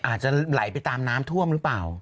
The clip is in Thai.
อาจจะไหลไปตามน้ำท่วมหรือเปล่า